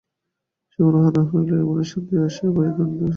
সেখানে উহা না পাইলে মনে অশান্তি আসে, আবার অন্য একদিকে সন্ধান করি।